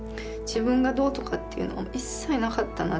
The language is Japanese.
自分がどうとかっていうのが一切なかったなって。